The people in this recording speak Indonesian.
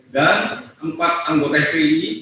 dan empat anggota fpi